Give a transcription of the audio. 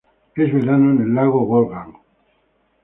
Es verano en el lago Wolfgang.